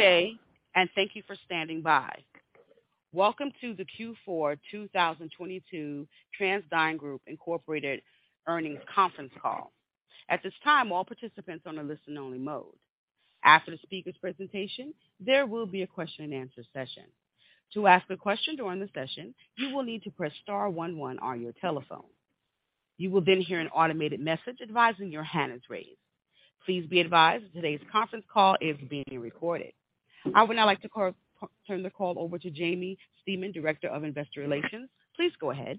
Good day, and thank you for standing by. Welcome to the Q4 2022 TransDigm Group Incorporated Earnings Conference Call. At this time, all participants on a listen-only mode. After the speaker's presentation, there will be a question-and-answer session. To ask a question during the session, you will need to press star 11 on your telephone. You will then hear an automated message advising your hand is raised. Please be advised today's conference call is being recorded. I would now like to turn the call over to Jaimie Stemen, Director of Investor Relations. Please go ahead.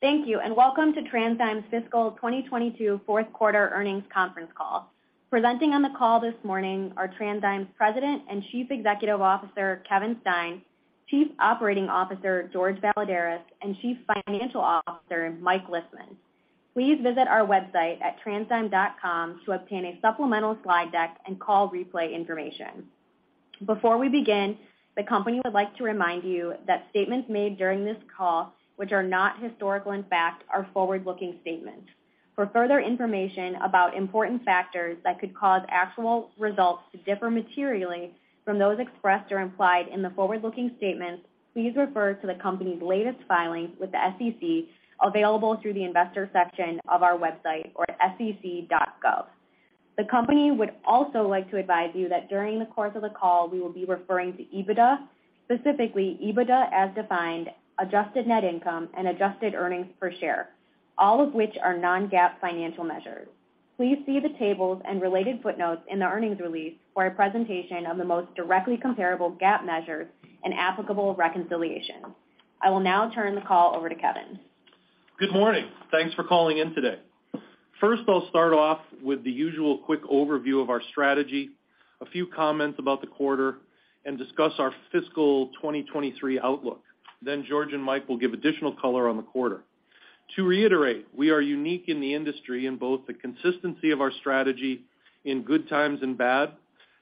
Thank you, and welcome to TransDigm's fiscal 2022 Fourth Quarter Earnings Conference Call. Presenting on the call this morning are TransDigm's President and Chief Executive Officer, Kevin Stein, Chief Operating Officer, Jorge Valladares, and Chief Financial Officer, Mike Lisman. Please visit our website at transdigm.com to obtain a supplemental slide deck and call replay information. Before we begin, the company would like to remind you that statements made during this call which are not historical in fact are forward-looking statements. For further information about important factors that could cause actual results to differ materially from those expressed or implied in the forward-looking statements, please refer to the company's latest filings with the SEC, available through the investors section of our website or at sec.gov. The company would also like to advise you that during the course of the call we will be referring to EBITDA, specifically EBITDA as defined, adjusted net income, and adjusted earnings per share, all of which are non-GAAP financial measures. Please see the tables and related footnotes in the earnings release for a presentation of the most directly comparable GAAP measures and applicable reconciliation. I will now turn the call over to Kevin. Good morning. Thanks for calling in today. First, I'll start off with the usual quick overview of our strategy, a few comments about the quarter, and discuss our fiscal 2023 outlook. Then Jorge and Mike `will give additional color on the quarter. To reiterate, we are unique in the industry in both the consistency of our strategy in good times and bad,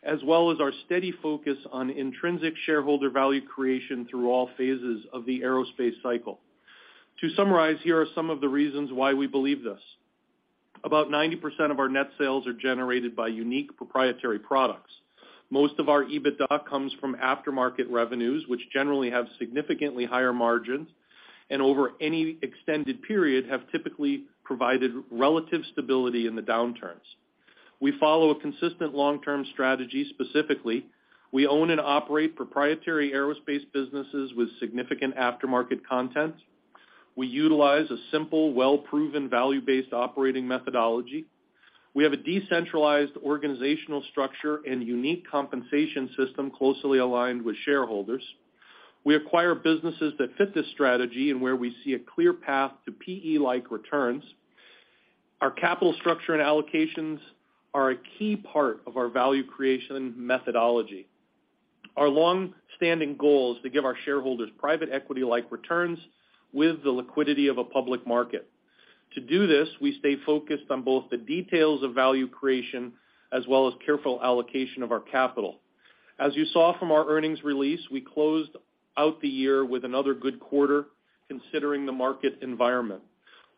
as well as our steady focus on intrinsic shareholder value creation through all phases of the aerospace cycle. To summarize, here are some of the reasons why we believe this. About 90% of our net sales are generated by unique proprietary products. Most of our EBITDA comes from aftermarket revenues, which generally have significantly higher margins and over any extended period have typically provided relative stability in the downturns. We follow a consistent long-term strategy. Specifically, we own and operate proprietary aerospace businesses with significant aftermarket content. We utilize a simple, well-proven, value-based operating methodology. We have a decentralized organizational structure and unique compensation system closely aligned with shareholders. We acquire businesses that fit this strategy and where we see a clear path to PE-like returns. Our capital structure and allocations are a key part of our value creation methodology. Our long-standing goal is to give our shareholders private equity-like returns with the liquidity of a public market. To do this, we stay focused on both the details of value creation as well as careful allocation of our capital. As you saw from our earnings release, we closed out the year with another good quarter considering the market environment.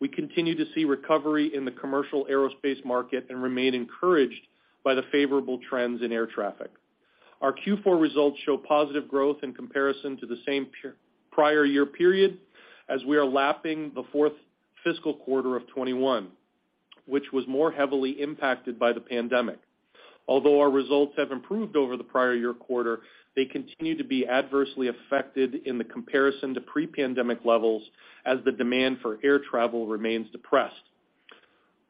We continue to see recovery in the commercial aerospace market and remain encouraged by the favorable trends in air traffic. Our Q4 results show positive growth in comparison to the same prior year period as we are lapping the fourth fiscal quarter of 2021, which was more heavily impacted by the pandemic. Although our results have improved over the prior year quarter, they continue to be adversely affected in the comparison to pre-pandemic levels as the demand for air travel remains depressed.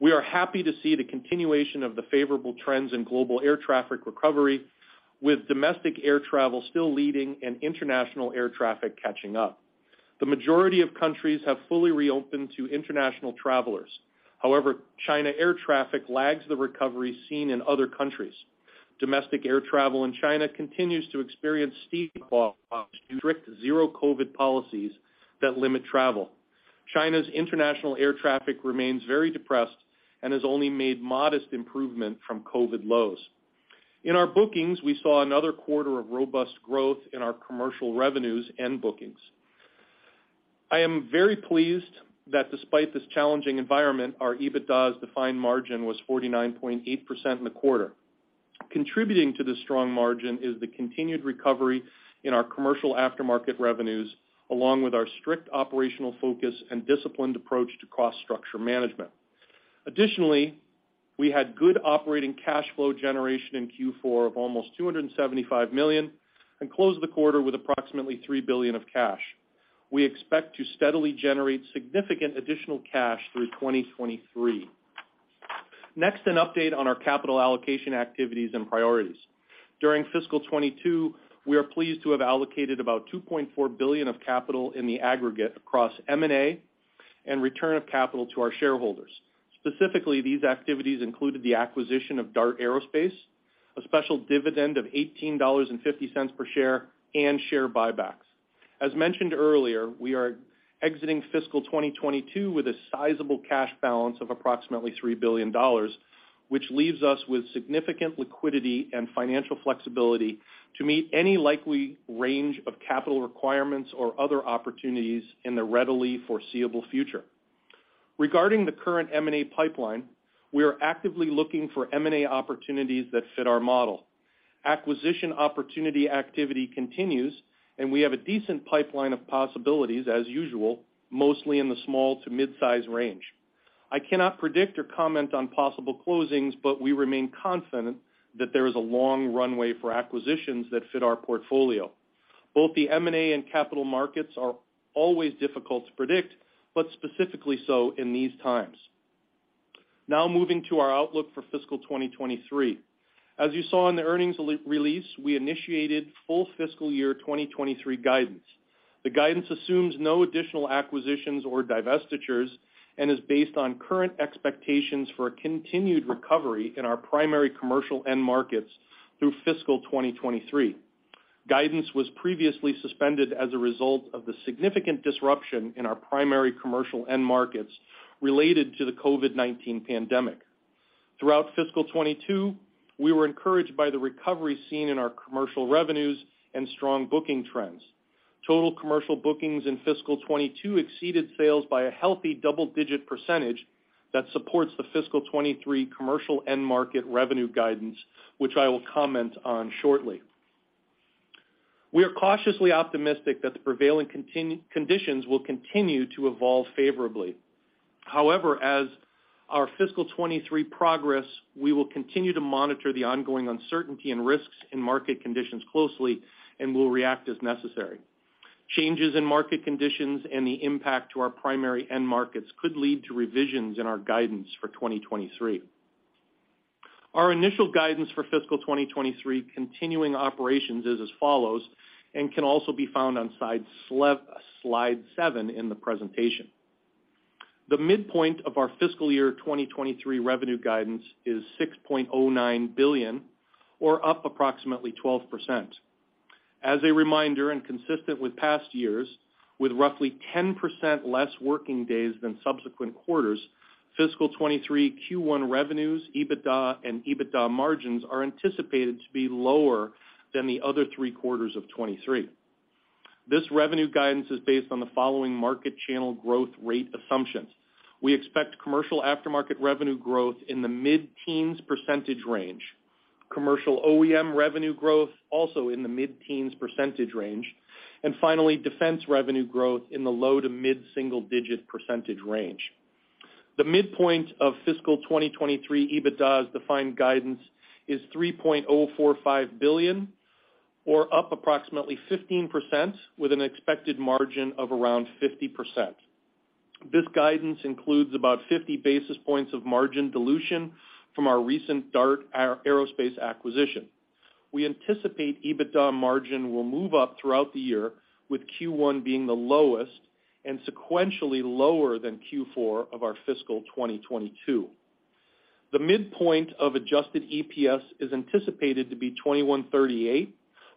We are happy to see the continuation of the favorable trends in global air traffic recovery, with domestic air travel still leading and international air traffic catching up. The majority of countries have fully reopened to international travelers. However, China air traffic lags the recovery seen in other countries. Domestic air travel in China continues to experience steep strict zero COVID policies that limit travel. China's international air traffic remains very depressed and has only made modest improvement from COVID lows. In our bookings, we saw another quarter of robust growth in our commercial revenues and bookings. I am very pleased that despite this challenging environment, our EBITDA as defined margin was 49.8% in the quarter. Contributing to this strong margin is the continued recovery in our commercial aftermarket revenues, along with our strict operational focus and disciplined approach to cost structure management. Additionally, we had good operating cash flow generation in Q4 of almost $275 million and closed the quarter with approximately $3 billion of cash. We expect to steadily generate significant additional cash through 2023. Next, an update on our capital allocation activities and priorities. During fiscal 2022, we are pleased to have allocated about $2.4 billion of capital in the aggregate across M&A and return of capital to our shareholders. Specifically, these activities included the acquisition of DART Aerospace, a special dividend of $18.50 per share, and share buybacks. As mentioned earlier, we are exiting fiscal 2022 with a sizable cash balance of approximately $3 billion, which leaves us with significant liquidity and financial flexibility to meet any likely range of capital requirements or other opportunities in the readily foreseeable future. Regarding the current M&A pipeline, we are actively looking for M&A opportunities that fit our model. Acquisition opportunity activity continues, and we have a decent pipeline of possibilities as usual, mostly in the small to mid-size range. I cannot predict or comment on possible closings, but we remain confident that there is a long runway for acquisitions that fit our portfolio. Both the M&A and capital markets are always difficult to predict, but specifically so in these times. Now moving to our outlook for fiscal 2023. As you saw in the earnings release, we initiated full fiscal year 2023 guidance. The guidance assumes no additional acquisitions or divestitures and is based on current expectations for a continued recovery in our primary commercial end markets through fiscal 2023. Guidance was previously suspended as a result of the significant disruption in our primary commercial end markets related to the COVID-19 pandemic. Throughout fiscal 2022, we were encouraged by the recovery seen in our commercial revenues and strong booking trends. Total commercial bookings in fiscal 2022 exceeded sales by a healthy double-digit percentage that supports the fiscal 2023 commercial end market revenue guidance, which I will comment on shortly. We are cautiously optimistic that the prevailing conditions will continue to evolve favorably. However, as our fiscal 2023 progresses, we will continue to monitor the ongoing uncertainty and risks in market conditions closely and will react as necessary. Changes in market conditions and the impact to our primary end markets could lead to revisions in our guidance for 2023. Our initial guidance for fiscal 2023 continuing operations is as follows and can also be found on slide seven in the presentation. The midpoint of our fiscal year 2023 revenue guidance is $6.09 billion or up approximately 12%. As a reminder and consistent with past years, with roughly 10% less working days than subsequent quarters, fiscal 2023 Q1 revenues, EBITDA and EBITDA margins are anticipated to be lower than the other three quarters of 2023. This revenue guidance is based on the following market channel growth rate assumptions. We expect commercial aftermarket revenue growth in the mid-teens percentage range, commercial OEM revenue growth also in the mid-teens percentage range, and finally, defense revenue growth in the low- to mid-single-digit percentage range. The midpoint of fiscal 2023 EBITDA as defined guidance is $3.045 billion or up approximately 15% with an expected margin of around 50%. This guidance includes about 50 basis points of margin dilution from our recent DART Aerospace acquisition. We anticipate EBITDA margin will move up throughout the year, with Q1 being the lowest and sequentially lower than Q4 of our fiscal 2022. The midpoint of adjusted EPS is anticipated to be 21.38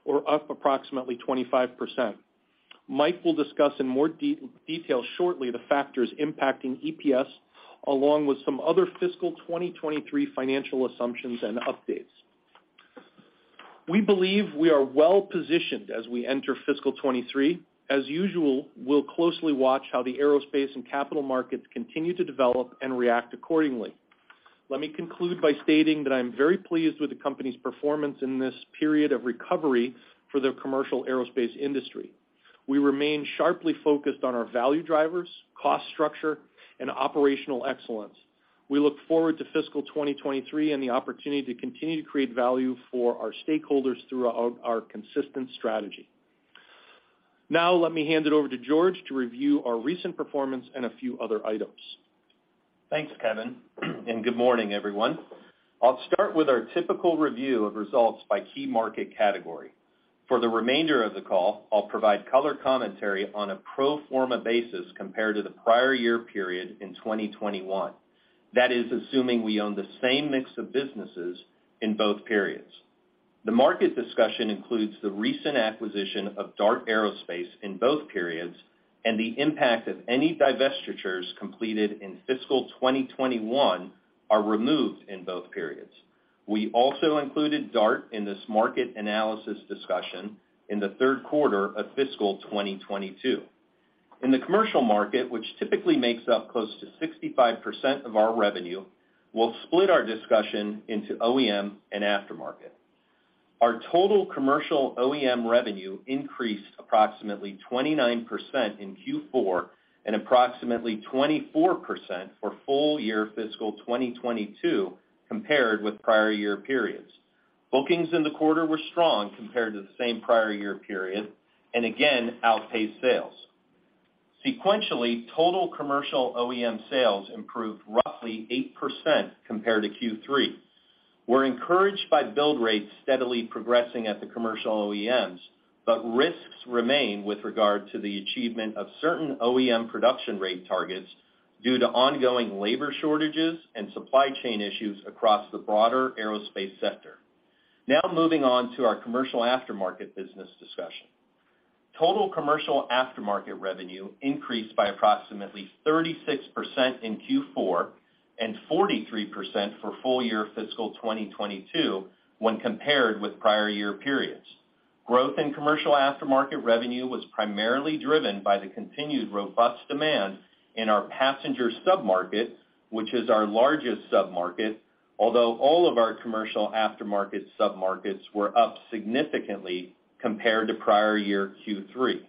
or up approximately 25%. Mike will discuss in more detail shortly the factors impacting EPS along with some other fiscal 2023 financial assumptions and updates. We believe we are well-positioned as we enter fiscal 2023. As usual, we'll closely watch how the aerospace and capital markets continue to develop and react accordingly. Let me conclude by stating that I am very pleased with the company's performance in this period of recovery for the commercial aerospace industry. We remain sharply focused on our value drivers, cost structure, and operational excellence. We look forward to fiscal 2023 and the opportunity to continue to create value for our stakeholders throughout our consistent strategy. Now, let me hand it over to Jorge to review our recent performance and a few other items. Thanks, Kevin, and good morning, everyone. I'll start with our typical review of results by key market category. For the remainder of the call, I'll provide color commentary on a pro forma basis compared to the prior year period in 2021. That is assuming we own the same mix of businesses in both periods. The market discussion includes the recent acquisition of DART Aerospace in both periods and the impact of any divestitures completed in fiscal 2021 are removed in both periods. We also included DART in this market analysis discussion in the third quarter of fiscal 2022. In the commercial market, which typically makes up close to 65% of our revenue, we'll split our discussion into OEM and aftermarket. Our total commercial OEM revenue increased approximately 29% in Q4 and approximately 24% for full year fiscal 2022 compared with prior year periods. Bookings in the quarter were strong compared to the same prior year period, and again, outpaced sales. Sequentially, total commercial OEM sales improved roughly 8% compared to Q3. We're encouraged by build rates steadily progressing at the commercial OEMs, but risks remain with regard to the achievement of certain OEM production rate targets due to ongoing labor shortages and supply chain issues across the broader aerospace sector. Now moving on to our commercial aftermarket business discussion. Total commercial aftermarket revenue increased by approximately 36% in Q4 and 43% for full year fiscal 2022 when compared with prior year periods. Growth in commercial aftermarket revenue was primarily driven by the continued robust demand in our passenger submarket, which is our largest submarket, although all of our commercial aftermarket submarkets were up significantly compared to prior year Q3.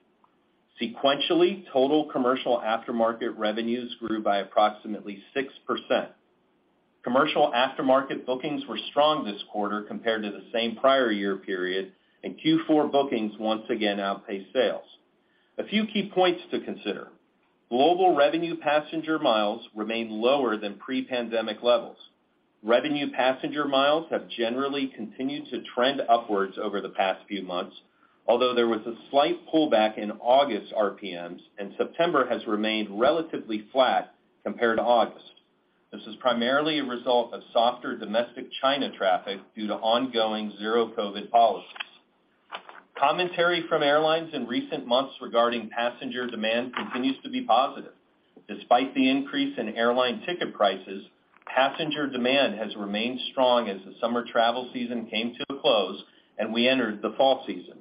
Sequentially, total commercial aftermarket revenues grew by approximately 6%. Commercial aftermarket bookings were strong this quarter compared to the same prior year period, and Q4 bookings once again outpaced sales. A few key points to consider. Global revenue passenger miles remain lower than pre-pandemic levels. Revenue passenger miles have generally continued to trend upwards over the past few months, although there was a slight pullback in August RPMs, and September has remained relatively flat compared to August. This is primarily a result of softer domestic China traffic due to ongoing zero COVID policies. Commentary from airlines in recent months regarding passenger demand continues to be positive. Despite the increase in airline ticket prices, passenger demand has remained strong as the summer travel season came to a close and we entered the fall season.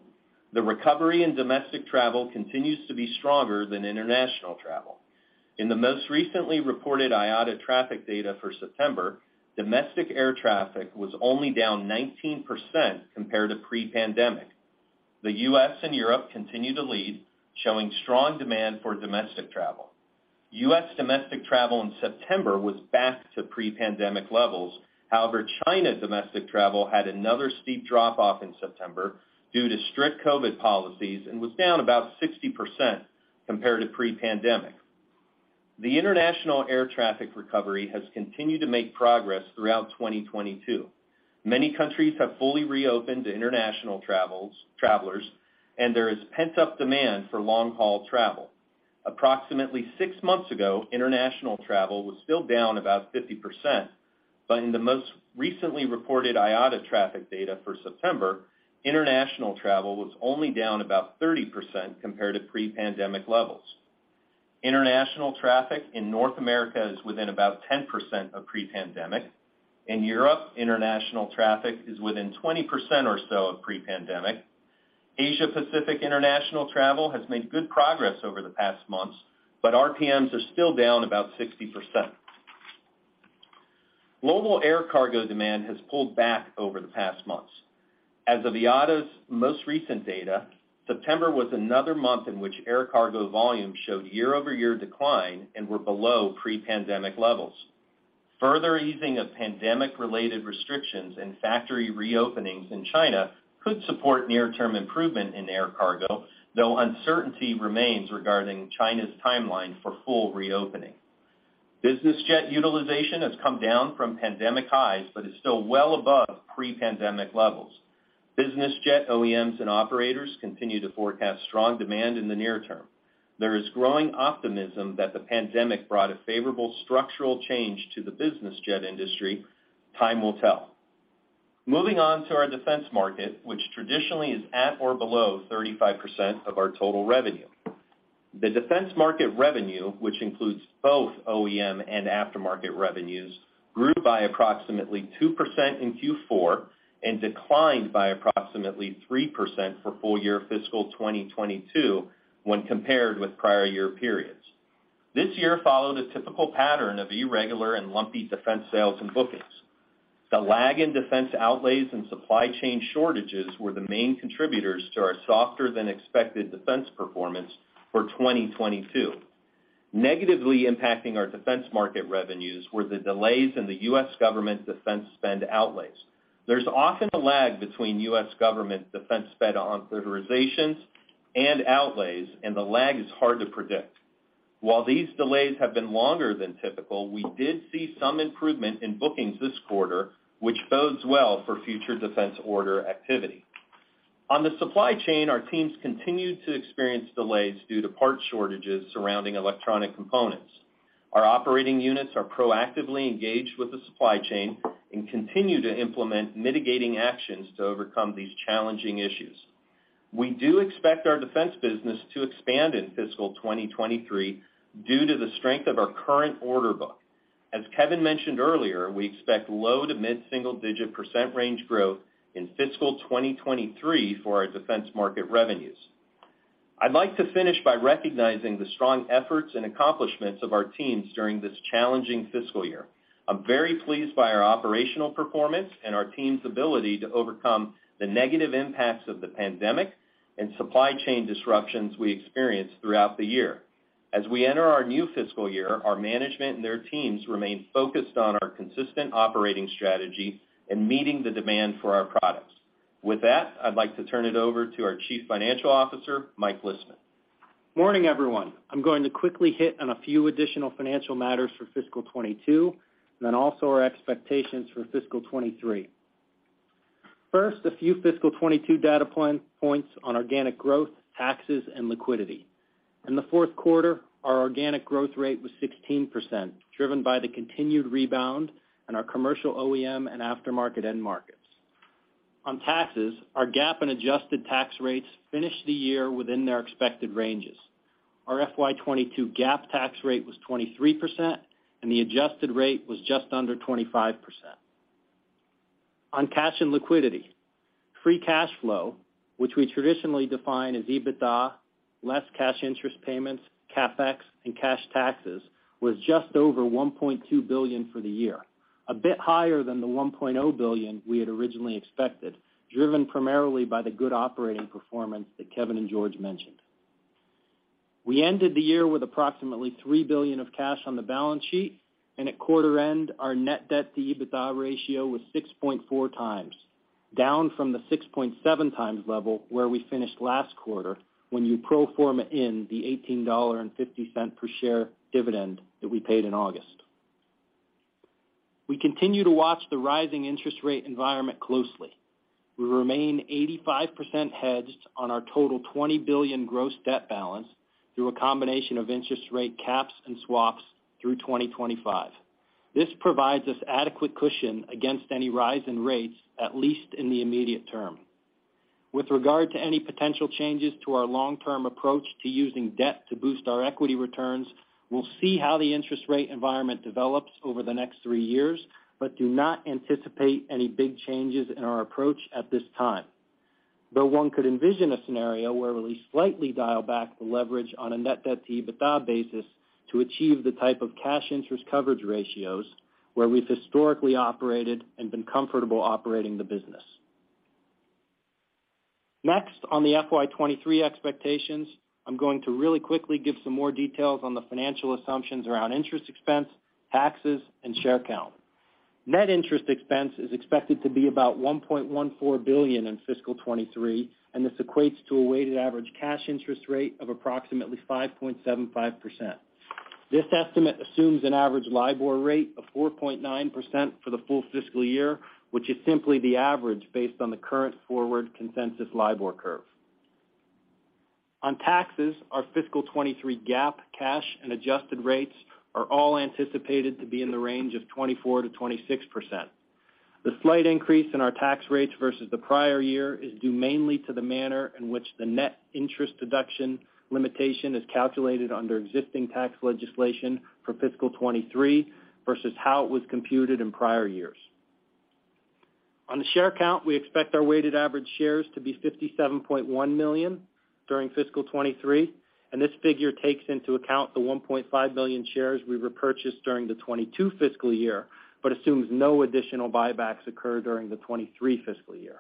The recovery in domestic travel continues to be stronger than international travel. In the most recently reported IATA traffic data for September, domestic air traffic was only down 19% compared to pre-pandemic. The U.S. and Europe continue to lead, showing strong demand for domestic travel. U.S. domestic travel in September was back to pre-pandemic levels. However, China domestic travel had another steep drop off in September due to strict COVID policies and was down about 60% compared to pre-pandemic. The international air traffic recovery has continued to make progress throughout 2022. Many countries have fully reopened to international travels, travelers, and there is pent-up demand for long-haul travel. Approximately six months ago, international travel was still down about 50%. In the most recently reported IATA traffic data for September, international travel was only down about 30% compared to pre-pandemic levels. International traffic in North America is within about 10% of pre-pandemic. In Europe, international traffic is within 20% or so of pre-pandemic. Asia-Pacific international travel has made good progress over the past months, but RPMs are still down about 60%. Global air cargo demand has pulled back over the past months. According to IATA's most recent data, September was another month in which air cargo volume showed year-over-year decline and was below pre-pandemic levels. Further easing of pandemic-related restrictions and factory reopenings in China could support near-term improvement in air cargo, though uncertainty remains regarding China's timeline for full reopening. Business jet utilization has come down from pandemic highs but is still well above pre-pandemic levels. Business jet OEMs and operators continue to forecast strong demand in the near term. There is growing optimism that the pandemic brought a favorable structural change to the business jet industry. Time will tell. Moving on to our defense market, which traditionally is at or below 35% of our total revenue. The defense market revenue, which includes both OEM and aftermarket revenues, grew by approximately 2% in Q4 and declined by approximately 3% for full year fiscal 2022 when compared with prior year periods. This year followed a typical pattern of irregular and lumpy defense sales and bookings. The lag in defense outlays and supply chain shortages were the main contributors to our softer than expected defense performance for 2022. Negatively impacting our defense market revenues were the delays in the U.S. government defense spend outlays. There's often a lag between U.S. government defense spend on authorizations and outlays, and the lag is hard to predict. While these delays have been longer than typical, we did see some improvement in bookings this quarter, which bodes well for future defense order activity. On the supply chain, our teams continued to experience delays due to part shortages surrounding electronic components. Our operating units are proactively engaged with the supply chain and continue to implement mitigating actions to overcome these challenging issues. We do expect our defense business to expand in fiscal 2023 due to the strength of our current order book. As Kevin mentioned earlier, we expect low to mid-single digit percent range growth in fiscal 2023 for our defense market revenues. I'd like to finish by recognizing the strong efforts and accomplishments of our teams during this challenging fiscal year. I'm very pleased by our operational performance and our team's ability to overcome the negative impacts of the pandemic and supply chain disruptions we experienced throughout the year. As we enter our new fiscal year, our management and their teams remain focused on our consistent operating strategy and meeting the demand for our products. With that, I'd like to turn it over to our Chief Financial Officer, Mike Lisman. Morning, everyone. I'm going to quickly hit on a few additional financial matters for fiscal 2022, and then also our expectations for fiscal 2023. First, a few fiscal 2022 data points on organic growth, taxes, and liquidity. In the fourth quarter, our organic growth rate was 16%, driven by the continued rebound in our commercial OEM and aftermarket end markets. On taxes, our GAAP and adjusted tax rates finished the year within their expected ranges. Our FY 2022 GAAP tax rate was 23%, and the adjusted rate was just under 25%. On cash and liquidity. Free cash flow, which we traditionally define as EBITDA less cash interest payments, CapEx, and cash taxes, was just over $1.2 billion for the year. A bit higher than the $1 billion we had originally expected, driven primarily by the good operating performance that Kevin and Jorge mentioned. We ended the year with approximately $3 billion of cash on the balance sheet, and at quarter end, our net debt to EBITDA ratio was 6.4x, down from the 6.7x level where we finished last quarter when you pro forma in the $18.50 per share dividend that we paid in August. We continue to watch the rising interest rate environment closely. We remain 85% hedged on our total $20 billion gross debt balance through a combination of interest rate caps and swaps through 2025. This provides us adequate cushion against any rise in rates, at least in the immediate term. With regard to any potential changes to our long-term approach to using debt to boost our equity returns, we'll see how the interest rate environment develops over the next three years, but do not anticipate any big changes in our approach at this time. Though one could envision a scenario where we slightly dial back the leverage on a net debt-to-EBITDA basis to achieve the type of cash interest coverage ratios where we've historically operated and been comfortable operating the business. Next, on the FY 2023 expectations, I'm going to really quickly give some more details on the financial assumptions around interest expense, taxes, and share count. Net interest expense is expected to be about $1.14 billion in fiscal 2023, and this equates to a weighted average cash interest rate of approximately 5.75%. This estimate assumes an average LIBOR rate of 4.9% for the full fiscal year, which is simply the average based on the current forward consensus LIBOR curve. On taxes, our fiscal 2023 GAAP cash and adjusted rates are all anticipated to be in the range of 24%-26%. The slight increase in our tax rates versus the prior year is due mainly to the manner in which the net interest deduction limitation is calculated under existing tax legislation for fiscal 2023 versus how it was computed in prior years. On the share count, we expect our weighted average shares to be 57.1 million during fiscal 2023, and this figure takes into account the 1.5 million shares we repurchased during the 2022 fiscal year, but assumes no additional buybacks occur during the 2023 fiscal year.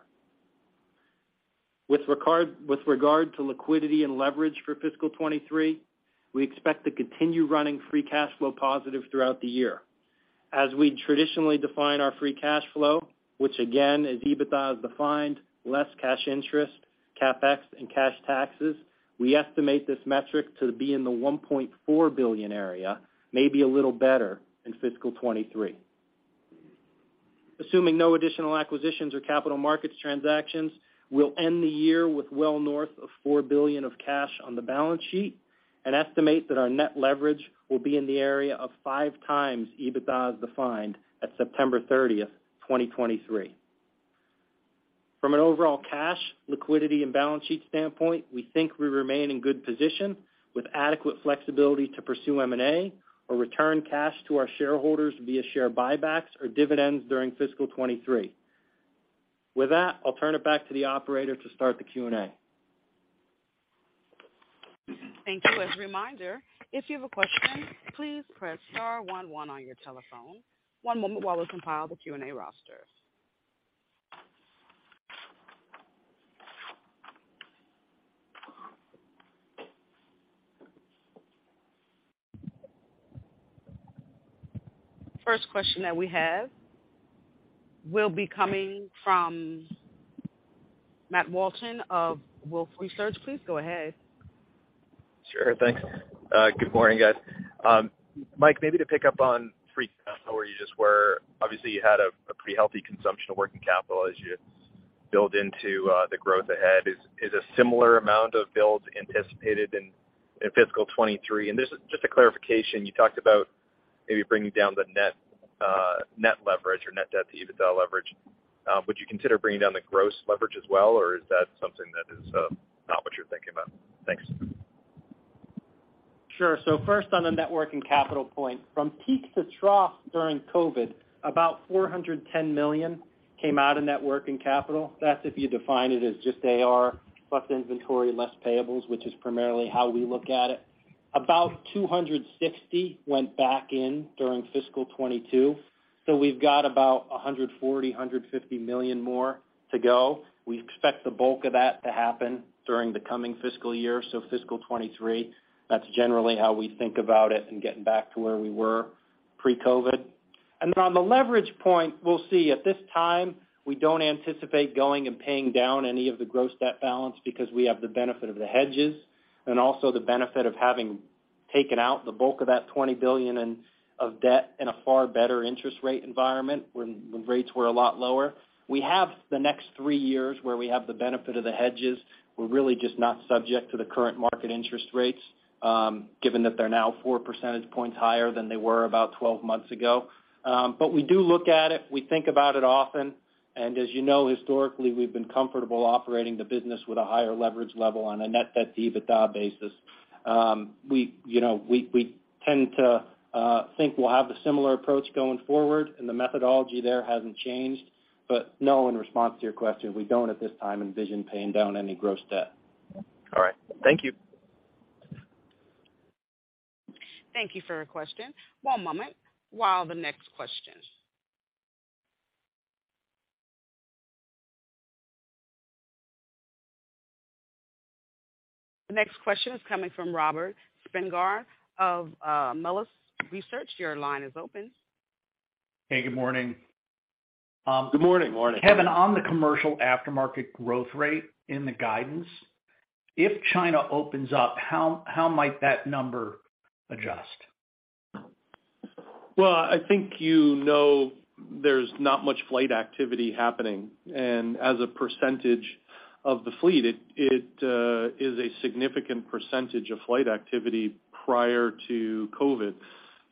With regard to liquidity and leverage for fiscal 2023, we expect to continue running free cash flow positive throughout the year. As we traditionally define our free cash flow, which again is EBITDA as defined, less cash interest, CapEx, and cash taxes, we estimate this metric to be in the $1.4 billion area, maybe a little better in fiscal 2023. Assuming no additional acquisitions or capital markets transactions, we'll end the year with well north of $4 billion of cash on the balance sheet and estimate that our net leverage will be in the area of 5x EBITDA as defined at September 30, 2023. From an overall cash, liquidity, and balance sheet standpoint, we think we remain in good position with adequate flexibility to pursue M&A or return cash to our shareholders via share buybacks or dividends during fiscal 2023. With that, I'll turn it back to the operator to start the Q&A. Thank you. As a reminder, if you have a question, please press star one one on your telephone. One moment while we compile the Q&A roster. First question that we have will be coming from Matt Walton of Wolfe Research. Please go ahead. Sure. Thanks. Good morning, guys. Mike, maybe to pick up on free cash flow where you just were. Obviously, you had a pretty healthy consumption of working capital as you build into the growth ahead. Is a similar amount of build anticipated in fiscal 2023? This is just a clarification. You talked about maybe bringing down the net leverage or net debt to EBITDA leverage. Would you consider bringing down the gross leverage as well, or is that something that is not what you're thinking about? Thanks. Sure. First on the net working capital point, from peak to trough during COVID, about $410 million came out of net working capital. That's if you define it as just AR plus inventory and less payables, which is primarily how we look at it. About $260 million went back in during fiscal 2022. We've got about $140, $150 million more to go. We expect the bulk of that to happen during the coming fiscal year, so fiscal 2023. That's generally how we think about it and getting back to where we were pre-COVID. Then on the leverage point, we'll see at this time, we don't anticipate going and paying down any of the gross debt balance because we have the benefit of the hedges and also the benefit of having taken out the bulk of that $20 billion of debt in a far better interest rate environment when rates were a lot lower. We have the next three years where we have the benefit of the hedges. We're really just not subject to the current market interest rates, given that they're now 4 percentage points higher than they were about 12 months ago. We do look at it. We think about it often. As you know, historically, we've been comfortable operating the business with a higher leverage level on a net debt-to-EBITDA basis. You know, we tend to think we'll have a similar approach going forward, and the methodology there hasn't changed. No, in response to your question, we don't at this time envision paying down any gross debt. All right. Thank you. Thank you for your question. One moment while the next question. The next question is coming from Robert Spingarn of Melius Research. Your line is open. Hey, good morning. Good morning. Morning. Kevin, on the commercial aftermarket growth rate in the guidance, if China opens up, how might that number adjust? Well, I think you know there's not much flight activity happening. As a percentage of the fleet, it is a significant percentage of flight activity prior to COVID.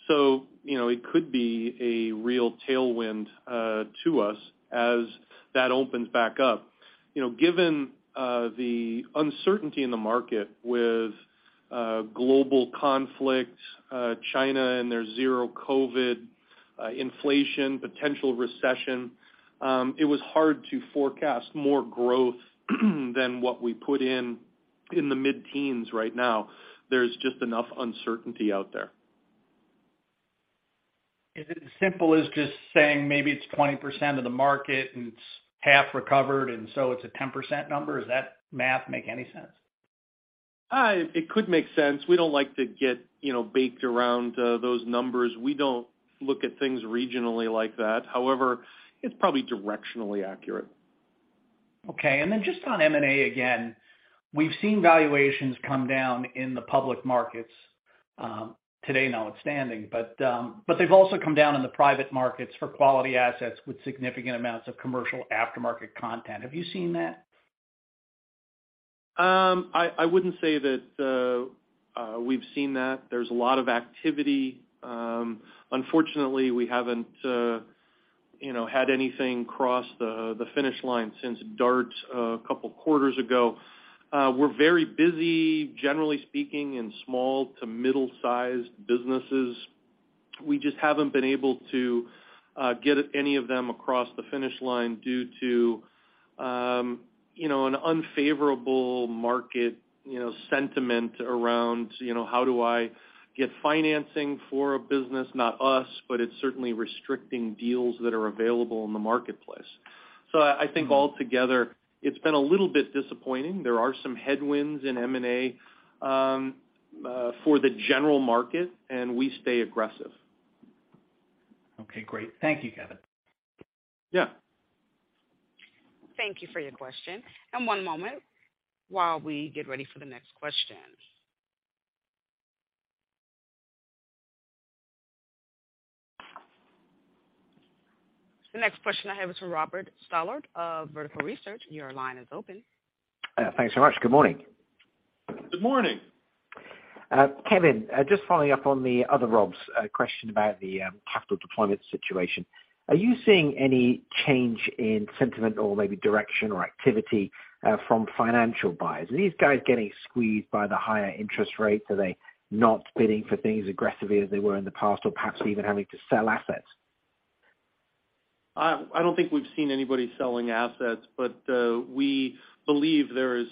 You know, it could be a real tailwind to us as that opens back up. You know, given the uncertainty in the market with global conflict, China and their zero COVID, inflation, potential recession, it was hard to forecast more growth than what we put in the mid-teens right now. There's just enough uncertainty out there. Is it as simple as just saying maybe it's 20% of the market and it's half recovered, and so it's a 10% number? Does that math make any sense? It could make sense. We don't like to get, you know, boxed around those numbers. We don't look at things regionally like that. However, it's probably directionally accurate. Okay. Just on M&A again, we've seen valuations come down in the public markets, today notwithstanding. They've also come down in the private markets for quality assets with significant amounts of commercial aftermarket content. Have you seen that? I wouldn't say that we've seen that. There's a lot of activity. Unfortunately, we haven't, you know, had anything cross the finish line since DART a couple quarters ago. We're very busy, generally speaking, in small to middle-sized businesses. We just haven't been able to get any of them across the finish line due to, you know, an unfavorable market, you know, sentiment around, you know, how do I get financing for a business? Not us, but it's certainly restricting deals that are available in the marketplace. I think altogether, it's been a little bit disappointing. There are some headwinds in M&A for the general market, and we stay aggressive. Okay, great. Thank you, Kevin. Yeah. Thank you for your question. One moment while we get ready for the next question. The next question I have is from Robert Stallard of Vertical Research. Your line is open. Thanks so much. Good morning. Good morning. Kevin, just following up on the other Rob's question about the capital deployment situation. Are you seeing any change in sentiment or maybe direction or activity from financial buyers? Are these guys getting squeezed by the higher interest rates? Are they not bidding for things aggressively as they were in the past or perhaps even having to sell assets? I don't think we've seen anybody selling assets, but we believe there is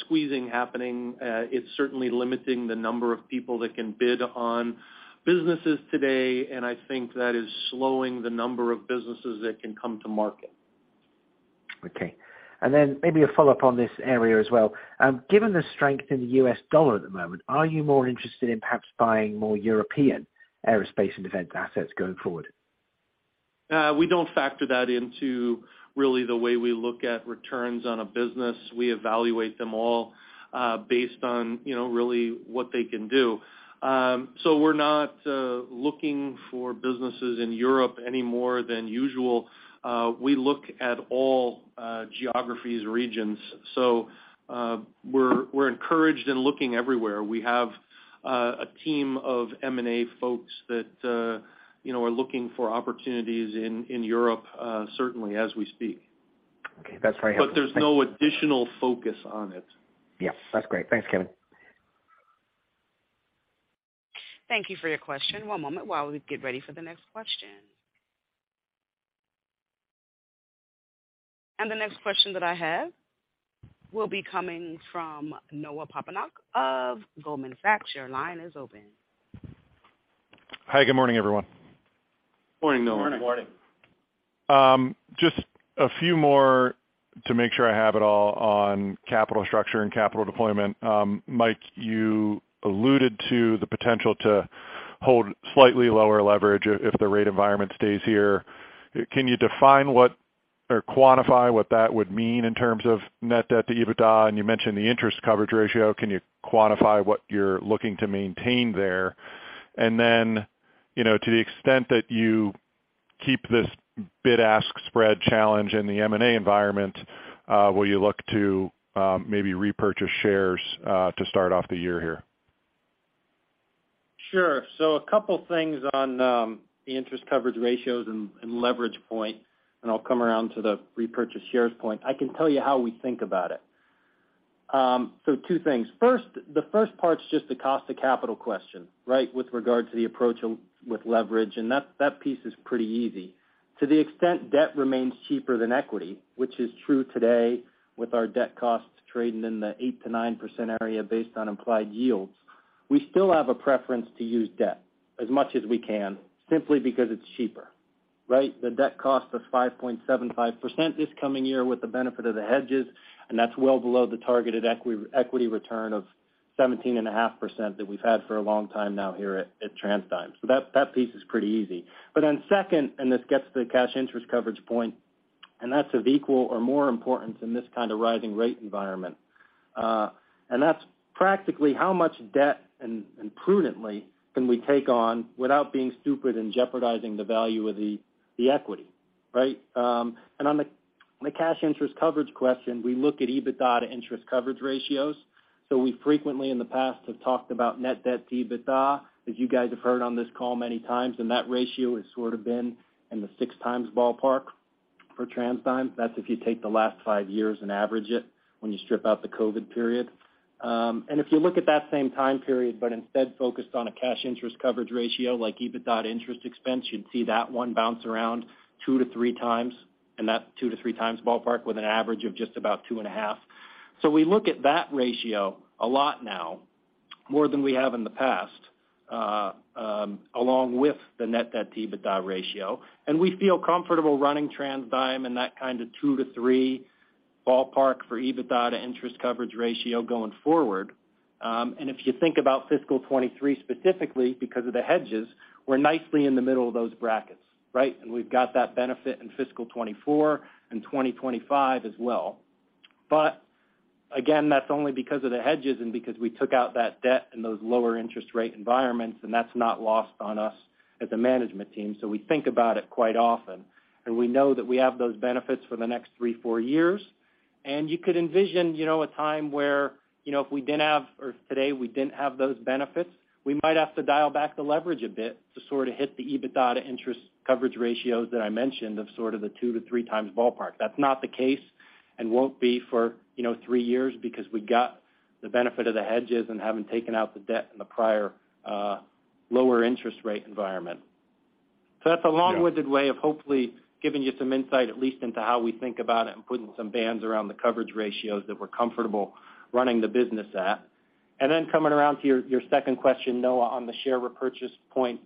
squeezing happening. It's certainly limiting the number of people that can bid on businesses today, and I think that is slowing the number of businesses that can come to market. Okay. Maybe a follow-up on this area as well. Given the strength in the U.S. dollar at the moment, are you more interested in perhaps buying more European aerospace and defense assets going forward? We don't factor that into really the way we look at returns on a business. We evaluate them all, based on, you know, really what they can do. We're not looking for businesses in Europe any more than usual. We look at all geographies, regions. We're encouraged in looking everywhere. We have a team of M&A folks that, you know, are looking for opportunities in Europe, certainly as we speak. Okay. That's very helpful. There's no additional focus on it. Yeah. That's great. Thanks, Kevin. Thank you for your question. One moment while we get ready for the next question. The next question that I have will be coming from Noah Poponak of Goldman Sachs. Your line is open. Hi, good morning, everyone. Morning, Noah. Morning. Just a few more to make sure I have it all on capital structure and capital deployment. Mike, you alluded to the potential to hold slightly lower leverage if the rate environment stays here. Can you define what or quantify what that would mean in terms of net debt to EBITDA? You mentioned the interest coverage ratio. Can you quantify what you're looking to maintain there? You know, to the extent that you keep this bid-ask spread challenge in the M&A environment, will you look to maybe repurchase shares to start off the year here? Sure. A couple things on the interest coverage ratios and leverage point, and I'll come around to the repurchase shares point. I can tell you how we think about it. Two things. First, the first part's just the cost of capital question, right, with regard to the approach with leverage, and that piece is pretty easy. To the extent debt remains cheaper than equity, which is true today with our debt costs trading in the 8%-9% area based on implied yields, we still have a preference to use debt as much as we can simply because it's cheaper, right? The debt cost of 5.75% this coming year with the benefit of the hedges, and that's well below the targeted equity return of 17.5% that we've had for a long time now here at TransDigm. That piece is pretty easy. Then second, and this gets to the cash interest coverage point, and that's of equal or more importance in this kind of rising rate environment. And that's practically how much debt and prudently can we take on without being stupid and jeopardizing the value of the equity, right? On the cash interest coverage question, we look at EBITDA to interest coverage ratios. We frequently in the past have talked about net debt to EBITDA, as you guys have heard on this call many times, and that ratio has sort of been in the 6x ballpark for TransDigm. That's if you take the last five` years and average it when you strip out the COVID period. If you look at that same time period, but instead focused on a cash interest coverage ratio like EBITDA interest expense, you'd see that one bounce around 2x-3x, in that 2x-3x ballpark with an average of just about 2.5. We look at that ratio a lot now, more than we have in the past, along with the net debt to EBITDA ratio. We feel comfortable running TransDigm in that kind of 2x-3x ballpark for EBITDA to interest coverage ratio going forward. If you think about fiscal 2023 specifically, because of the hedges, we're nicely in the middle of those brackets, right? We've got that benefit in fiscal 2024 and 2025 as well. Again, that's only because of the hedges and because we took out that debt in those lower interest rate environments, and that's not lost on us as a management team. We think about it quite often, and we know that we have those benefits for the next three, four years. You could envision, you know, a time where, you know, if we didn't have, or if today we didn't have those benefits, we might have to dial back the leverage a bit to sort of hit the EBITDA to interest coverage ratios that I mentioned of sort of the 2x-3x ballpark. That's not the case and won't be for, you know, three years because we got the benefit of the hedges and having taken out the debt in the prior, lower interest rate environment. That's a long-winded way of hopefully giving you some insight, at least into how we think about it and putting some bands around the coverage ratios that we're comfortable running the business at. Then coming around to your second question, Noah, on the share repurchase point.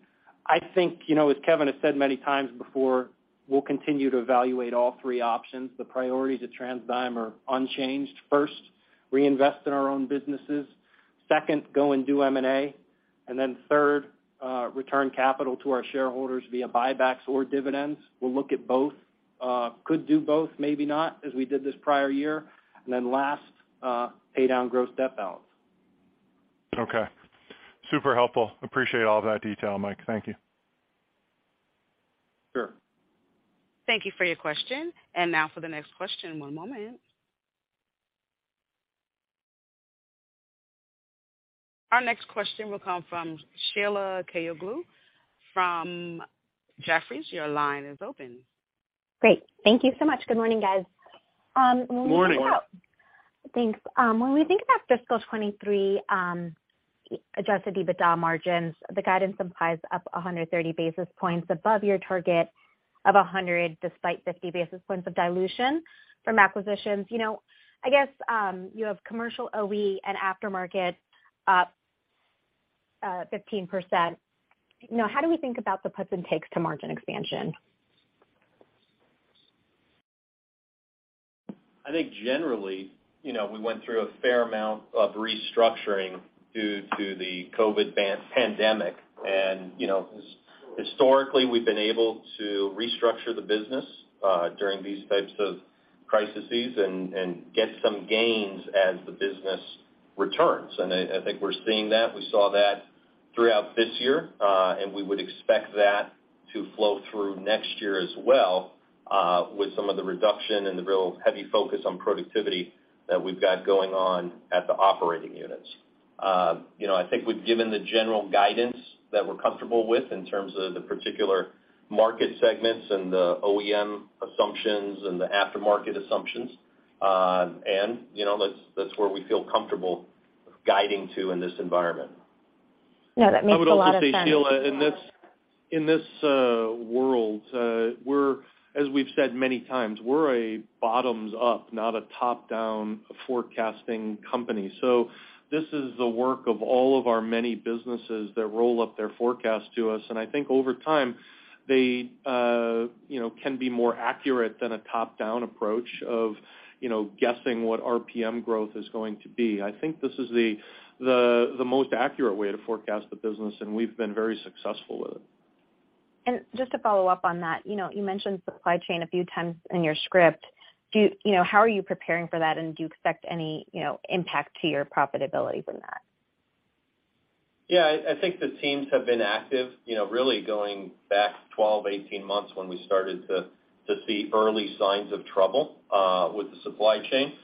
I think, you know, as Kevin has said many times before, we'll continue to evaluate all three options. The priorities at TransDigm are unchanged. First, reinvest in our own businesses. Second, go and do M&A. Third, return capital to our shareholders via buybacks or dividends. We'll look at both, could do both, maybe not, as we did this prior year. Last, pay down gross debt balance. Okay. Super helpful. Appreciate all of that detail, Mike. Thank you. Sure. Thank you for your question. Now for the next question, one moment. Our next question will come from Sheila Kahyaoglu from Jefferies. Your line is open. Great. Thank you so much. Good morning, guys. Morning. Thanks. When we think about fiscal 2023, adjusted EBITDA margins, the guidance implies up 130 basis points above your target of 100, despite 50 basis points of dilution from acquisitions. You know, I guess, you have commercial OE and aftermarket up, 15%. You know, how do we think about the puts and takes to margin expansion? I think generally, you know, we went through a fair amount of restructuring due to the COVID-19 pandemic. You know, historically, we've been able to restructure the business during these types of crises and get some gains as the business returns. I think we're seeing that. We saw that throughout this year, and we would expect that to flow through next year as well, with some of the reduction and the really heavy focus on productivity that we've got going on at the operating units. You know, I think we've given the general guidance that we're comfortable with in terms of the particular market segments and the OEM assumptions and the aftermarket assumptions. You know, that's where we feel comfortable guiding to in this environment. Yeah, that makes a lot of sense. I would also say, Sheila, in this world, we're, as we've said many times, we're a bottoms up, not a top-down forecasting company. This is the work of all of our many businesses that roll up their forecast to us. I think over time, they, you know, can be more accurate than a top-down approach of, you know, guessing what RPM growth is going to be. I think this is the most accurate way to forecast the business, and we've been very successful with it. Just to follow up on that, you know, you mentioned supply chain a few times in your script. Do you know, how are you preparing for that, and do you expect any, you know, impact to your profitability from that? Yeah. I think the teams have been active, you know, really going back 12, 18 months when we started to see early signs of trouble with the supply chain.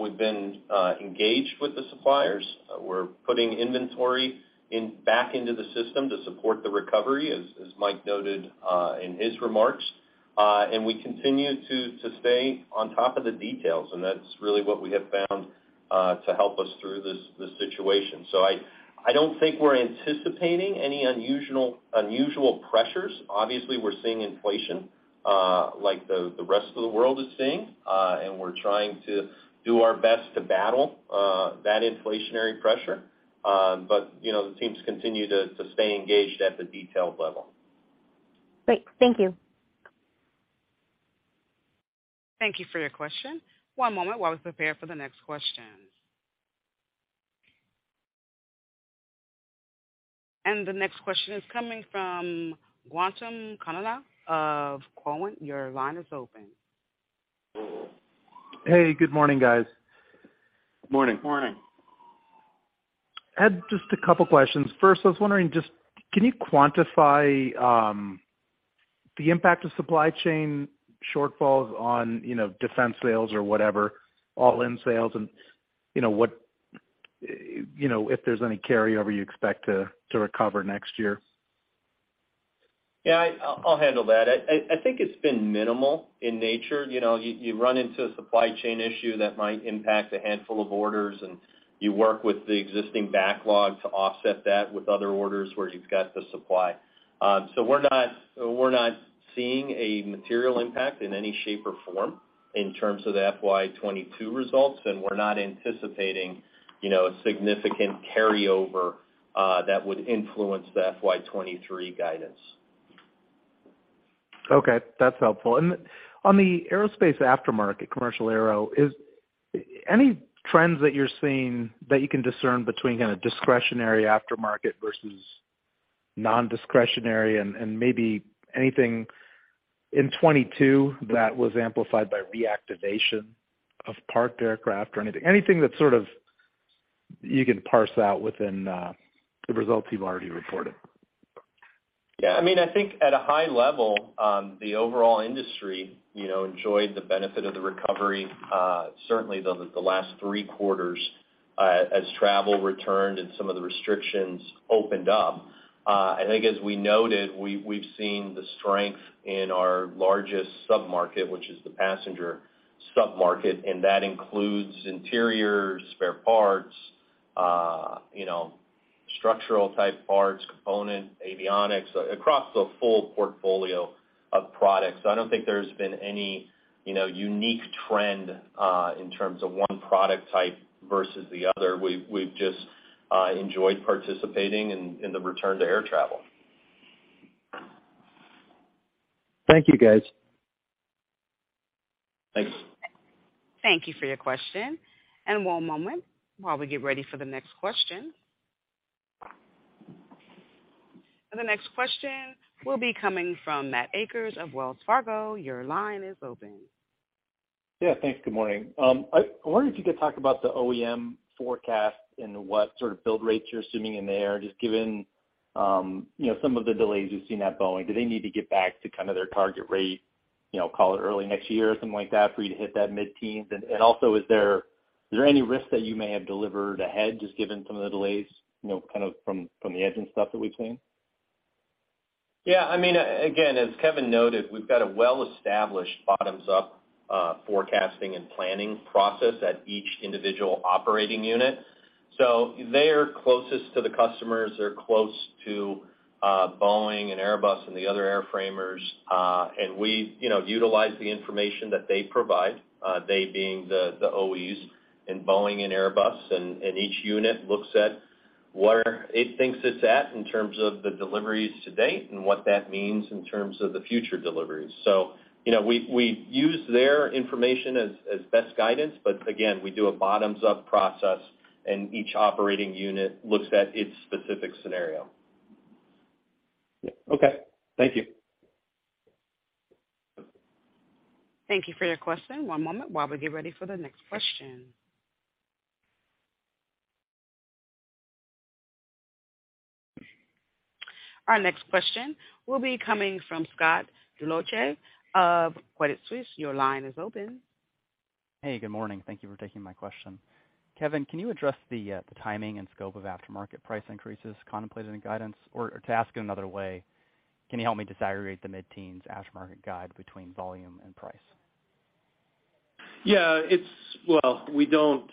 We've been engaged with the suppliers. We're putting inventory back into the system to support the recovery, as Mike noted in his remarks. We continue to stay on top of the details, and that's really what we have found to help us through this situation. I don't think we're anticipating any unusual pressures. Obviously, we're seeing inflation like the rest of the world is seeing, and we're trying to do our best to battle that inflationary pressure. You know, the teams continue to stay engaged at the detailed level. Great. Thank you. Thank you for your question. One moment while we prepare for the next question. The next question is coming from Gautam Khanna of Cowen. Your line is open. Hey, good morning, guys. Morning. Morning. I had just a couple questions. First, I was wondering just can you quantify the impact of supply chain shortfalls on, you know, defense sales or whatever, all-in sales and, you know, what, you know, if there's any carryover you expect to recover next year? Yeah. I'll handle that. I think it's been minimal in nature. You know, you run into a supply chain issue that might impact a handful of orders, and you work with the existing backlog to offset that with other orders where you've got the supply. We're not seeing a material impact in any shape or form in terms of the FY 2022 results, and we're not anticipating, you know, a significant carryover that would influence the FY 2023 guidance. Okay. That's helpful. On the aerospace aftermarket, commercial aero, is any trends that you're seeing that you can discern between kind of discretionary aftermarket versus non-discretionary and maybe anything in 2022 that was amplified by reactivation of parked aircraft or anything? Anything that sort of you can parse out within, the results you've already reported. Yeah. I mean, I think at a high level, the overall industry, you know, enjoyed the benefit of the recovery, certainly the last three quarters, as travel returned and some of the restrictions opened up. I think as we noted, we've seen the strength in our largest sub-market, which is the passenger sub-market, and that includes interiors, spare parts, you know, structural type parts, component avionics, across the full portfolio of products. So I don't think there's been any, you know, unique trend, in terms of one product type versus the other. We've just enjoyed participating in the return to air travel. Thank you, guys. Thanks. Thank you for your question. One moment while we get ready for the next question. The next question will be coming from Matt Akers of Wells Fargo. Your line is open. Yeah. Thanks. Good morning. I wondered if you could talk about the OEM forecast and what sort of build rates you're assuming in there, just given, you know, some of the delays we've seen at Boeing. Do they need to get back to kind of their target rate, you know, call it early next year or something like that for you to hit that mid-teens? And also, is there any risk that you may have delivered ahead, just given some of the delays, you know, kind of from the jet and stuff that we've seen? Yeah. I mean, again, as Kevin noted, we've got a well-established bottoms-up forecasting and planning process at each individual operating unit. They are closest to the customers. They're close to Boeing and Airbus and the other airframers, and we, you know, utilize the information that they provide, they being the OEMs and Boeing and Airbus. Each unit looks at where it thinks it's at in terms of the deliveries to date and what that means in terms of the future deliveries. You know, we use their information as best guidance, but again, we do a bottoms-up process, and each operating unit looks at its specific scenario. Yeah. Okay. Thank you. Thank you for your question. One moment while we get ready for the next question. Our next question will be coming from Scott Deuschle of Credit Suisse. Your line is open. Hey, good morning. Thank you for taking my question. Kevin, can you address the timing and scope of aftermarket price increases contemplated in guidance? Or to ask it another way, can you help me disaggregate the mid-teens aftermarket guide between volume and price? Yeah. Well, we don't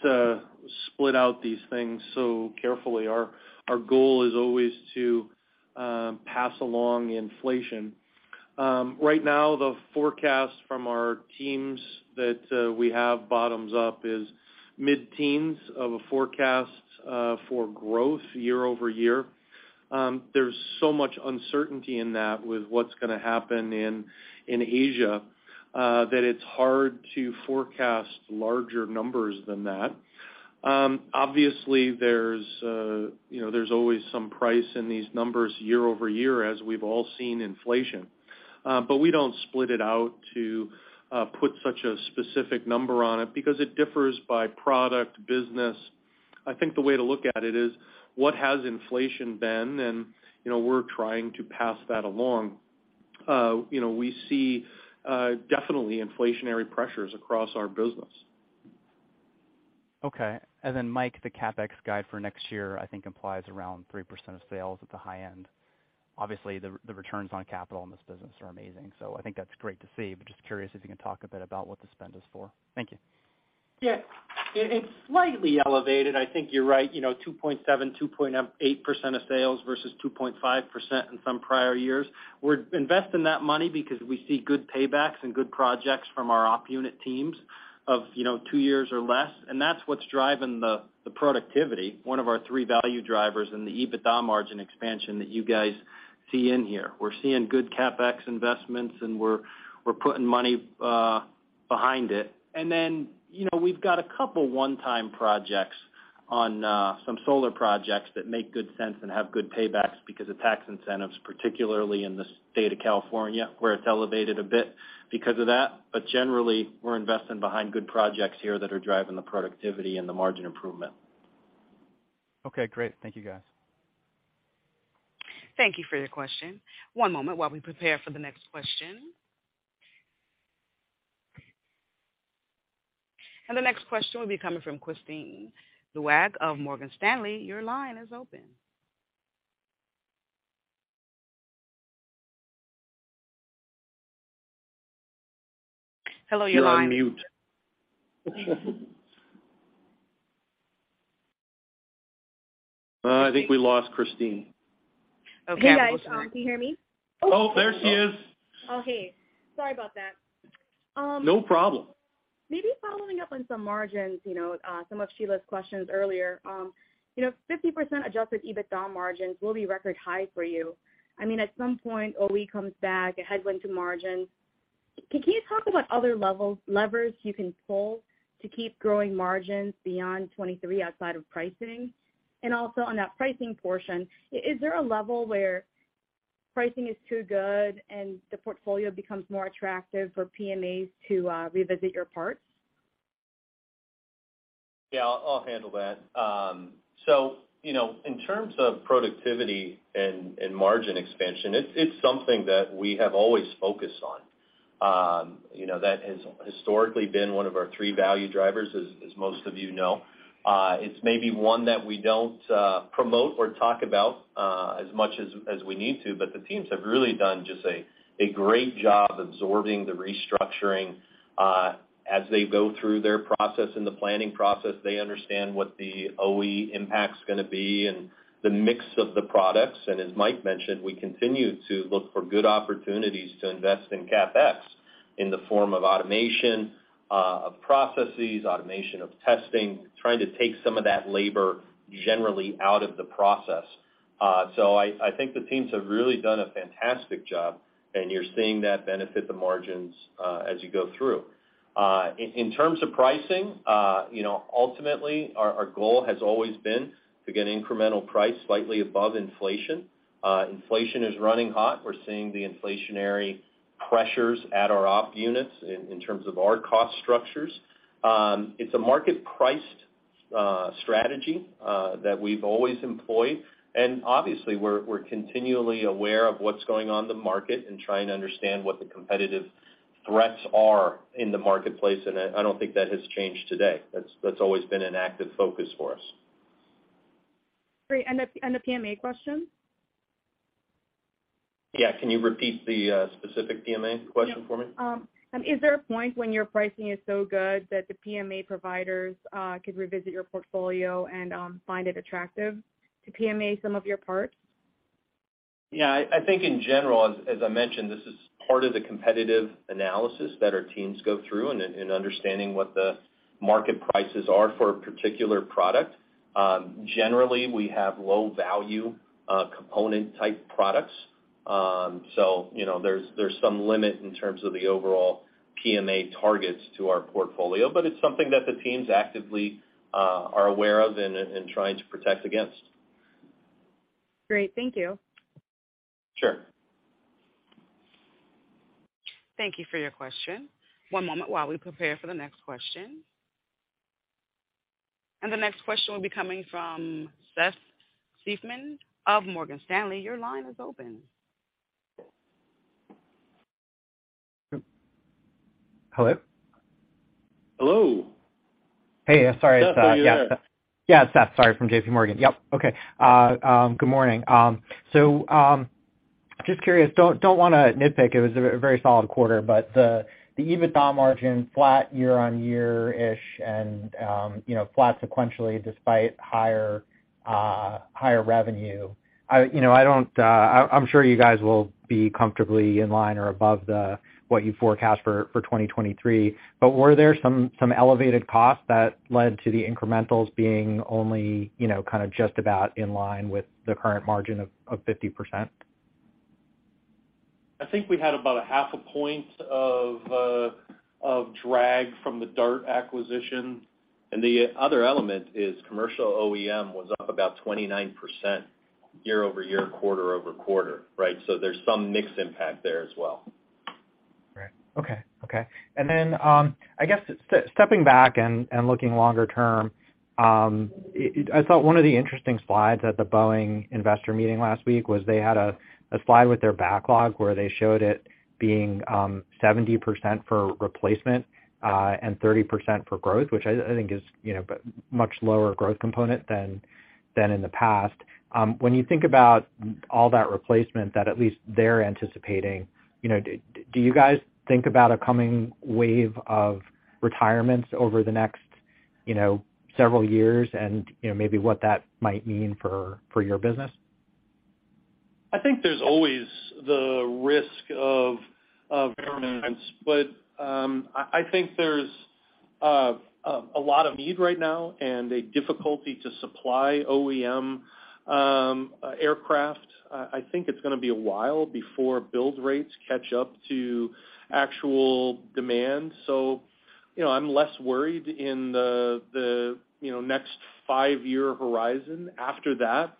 split out these things so carefully. Our goal is always to pass along inflation. Right now, the forecast from our teams that we have bottoms-up is mid-teens of a forecast for growth year-over-year. There's so much uncertainty in that with what's gonna happen in Asia that it's hard to forecast larger numbers than that. Obviously, there's you know, there's always some price in these numbers year-over-year as we've all seen inflation. But we don't split it out to put such a specific number on it because it differs by product, business. I think the way to look at it is what has inflation been and, you know, we're trying to pass that along. You know, we see definitely inflationary pressures across our business. Okay. Mike, the CapEx guide for next year I think implies around 3% of sales at the high end. Obviously, the returns on capital in this business are amazing. I think that's great to see, but just curious if you can talk a bit about what the spend is for. Thank you. Slightly elevated. I think you're right, you know, 2.7%-2.8% of sales versus 2.5% in some prior years. We're investing that money because we see good paybacks and good projects from our op unit teams of, you know, two years or less, and that's what's driving the productivity, one of our three value drivers in the EBITDA margin expansion that you guys see in here. We're seeing good CapEx investments, and we're putting money behind it. Then, you know, we've got a couple one-time projects on some solar projects that make good sense and have good paybacks because of tax incentives, particularly in the state of California, where it's elevated a bit because of that. Generally, we're investing behind good projects here that are driving the productivity and the margin improvement. Okay, great. Thank you, guys. Thank you for your question. One moment while we prepare for the next question. The next question will be coming from Kristine Liwag of Morgan Stanley. Your line is open. Hello, your line is You're on mute. I think we lost Kristine. Okay. Hey, guys. Can you hear me? Oh, there she is. Oh, hey. Sorry about that. No problem. Maybe following up on some margins, you know, some of Sheila's questions earlier. You know, 50% adjusted EBITDA margins will be record high for you. I mean, at some point, OEM comes back, a headwind to margins. Can you talk about other levers you can pull to keep growing margins beyond 2023 outside of pricing? Also on that pricing portion, is there a level where pricing is too good and the portfolio becomes more attractive for PMAs to revisit your parts? Yeah, I'll handle that. So, you know, in terms of productivity and margin expansion, it's something that we have always focused on. You know, that has historically been one of our three value drivers, as most of you know. It's maybe one that we don't promote or talk about as much as we need to, but the teams have really done just a great job absorbing the restructuring. As they go through their process and the planning process, they understand what the OEM impact's gonna be and the mix of the products. As Mike mentioned, we continue to look for good opportunities to invest in CapEx in the form of automation of processes, automation of testing, trying to take some of that labor generally out of the process. I think the teams have really done a fantastic job, and you're seeing that benefit the margins as you go through. In terms of pricing, you know, ultimately our goal has always been to get incremental price slightly above inflation. Inflation is running hot. We're seeing the inflationary pressures at our op units in terms of our cost structures. It's a market priced strategy that we've always employed. Obviously, we're continually aware of what's going on in the market and trying to understand what the competitive threats are in the marketplace, and I don't think that has changed today. That's always been an active focus for us. Great. A PMA question? Yeah. Can you repeat the specific PMA question for me? Yeah. Is there a point when your pricing is so good that the PMA providers could revisit your portfolio and find it attractive to PMA some of your parts? Yeah. I think in general, as I mentioned, this is part of the competitive analysis that our teams go through and understanding what the market prices are for a particular product. Generally, we have low value, component type products. So, you know, there's some limit in terms of the overall PMA targets to our portfolio, but it's something that the teams actively are aware of and trying to protect against. Great. Thank you. Sure. Thank you for your question. One moment while we prepare for the next question. The next question will be coming from Seth Seifman of Morgan Stanley. Your line is open. Hello? Hello. Hey, sorry. Seth, how are you? It's Seth, sorry, from JPMorgan. Good morning. So, just curious, don't wanna nitpick, it was a very solid quarter, but the EBITDA margin flat year-on-year-ish and, you know, flat sequentially despite higher revenue. I, you know, I don't, I'm sure you guys will be comfortably in line or above the, what you forecast for 2023. Were there some elevated costs that led to the incrementals being only, you know, kind of just about in line with the current margin of 50%? I think we had about a half a point of drag from the DART acquisition. The other element is commercial OEM was up about 29% year-over-year, quarter-over-quarter, right? There's some mix impact there as well. Okay. Stepping back and looking longer term, I thought one of the interesting slides at the Boeing investor meeting last week was they had a slide with their backlog where they showed it being 70% for replacement and 30% for growth, which I think is, you know, much lower growth component than in the past. When you think about all that replacement that at least they're anticipating, you know, do you guys think about a coming wave of retirements over the next several years and, you know, maybe what that might mean for your business? I think there's always the risk of retirements. I think there's a lot of need right now and a difficulty to supply OEM aircraft. I think it's gonna be a while before build rates catch up to actual demand. You know, I'm less worried in the next five-year horizon. After that,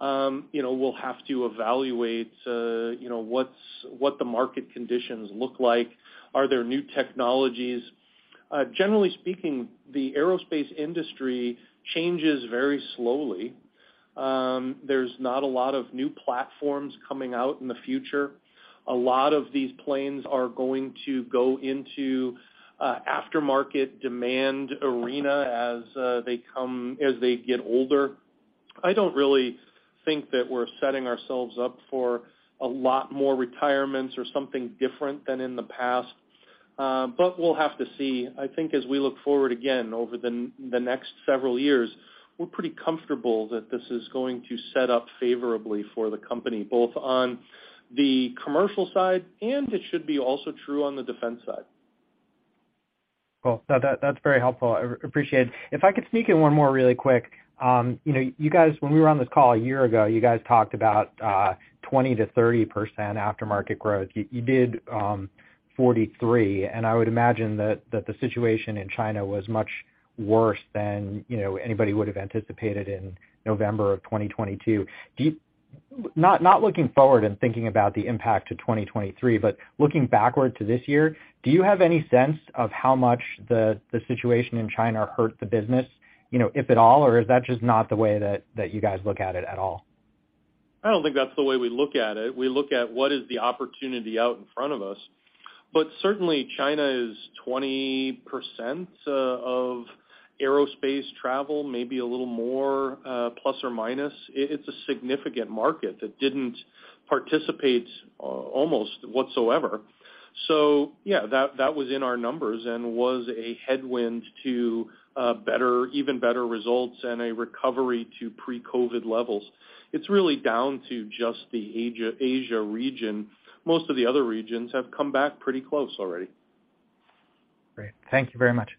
you know, we'll have to evaluate what the market conditions look like. Are there new technologies? Generally speaking, the aerospace industry changes very slowly. There's not a lot of new platforms coming out in the future. A lot of these planes are going to go into a aftermarket demand arena as they get older. I don't really think that we're setting ourselves up for a lot more retirements or something different than in the past, but we'll have to see. I think as we look forward, again, over the next several years, we're pretty comfortable that this is going to set up favorably for the company, both on the commercial side, and it should be also true on the defense side. Cool. That's very helpful. I appreciate it. If I could sneak in one more really quick. You know, you guys, when we were on this call a year ago, you guys talked about 20%-30% aftermarket growth. You did 43%, and I would imagine that the situation in China was much worse than you know anybody would have anticipated in November of 2022. Not looking forward and thinking about the impact to 2023, but looking backward to this year, do you have any sense of how much the situation in China hurt the business, you know, if at all, or is that just not the way that you guys look at it at all? I don't think that's the way we look at it. We look at what is the opportunity out in front of us. Certainly, China is 20% of aerospace travel, maybe a little more, plus or minus. It's a significant market that didn't participate almost whatsoever. Yeah, that was in our numbers and was a headwind to even better results and a recovery to pre-COVID levels. It's really down to just the Asia region. Most of the other regions have come back pretty close already. Great. Thank you very much.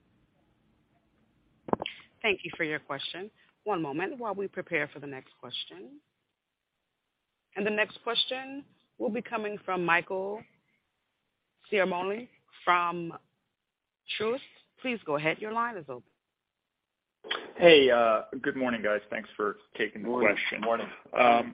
Thank you for your question. One moment while we prepare for the next question. The next question will be coming from Michael Ciarmoli from Truist. Please go ahead. Your line is open. Hey, good morning, guys. Thanks for taking the question. Good morning. Good morning.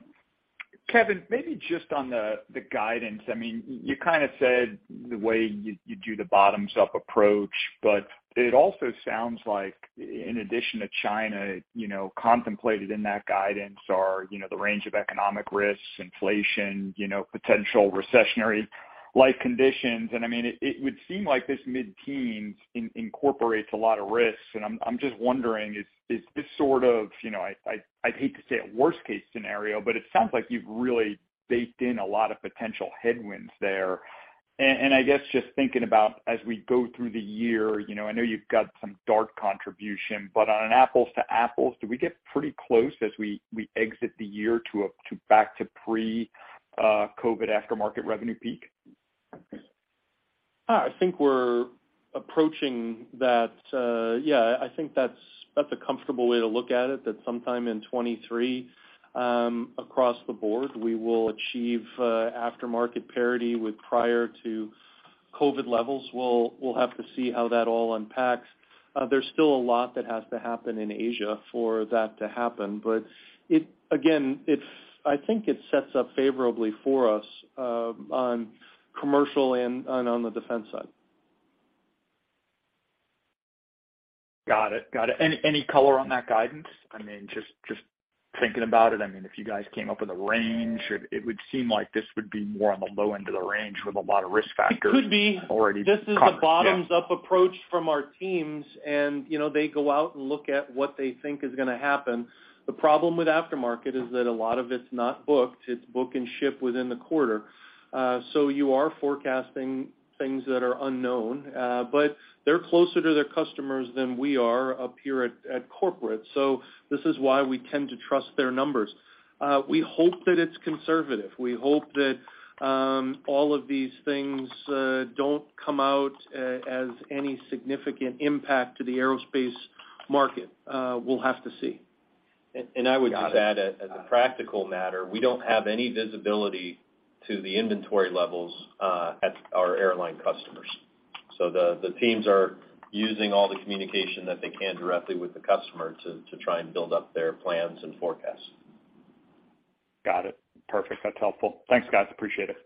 Kevin, maybe just on the guidance. I mean, you kind of said the way you do the bottoms-up approach, but it also sounds like in addition to China, you know, contemplated in that guidance are, you know, the range of economic risks, inflation, you know, potential recessionary-like conditions. I mean, it would seem like this mid-teens incorporates a lot of risks. I'm just wondering, is this sort of, you know, I'd hate to say a worst-case scenario, but it sounds like you've really baked in a lot of potential headwinds there. I guess just thinking about as we go through the year, you know, I know you've got some DART contribution, but on an apples to apples, do we get pretty close as we exit the year to back to pre-COVID aftermarket revenue peak? I think we're approaching that. Yeah, I think that's a comfortable way to look at it, that sometime in 2023, across the board, we will achieve aftermarket parity with prior to COVID levels. We'll have to see how that all unpacks. There's still a lot that has to happen in Asia for that to happen. It again, it's. I think it sets up favorably for us on commercial and on the defense side. Got it. Any color on that guidance? I mean, just thinking about it, I mean, if you guys came up with a range, it would seem like this would be more on the low end of the range with a lot of risk factors. It could be- Already covered. Yeah. This is the bottoms-up approach from our teams, and, you know, they go out and look at what they think is gonna happen. The problem with aftermarket is that a lot of it's not booked. It's book and ship within the quarter. So you are forecasting things that are unknown, but they're closer to their customers than we are up here at corporate. So this is why we tend to trust their numbers. We hope that it's conservative. We hope that all of these things don't come out as any significant impact to the aerospace market. We'll have to see. Got it. Got it. I would just add, as a practical matter, we don't have any visibility to the inventory levels at our airline customers. The teams are using all the communication that they can directly with the customer to try and build up their plans and forecasts. Got it. Perfect. That's helpful. Thanks, guys. Appreciate it.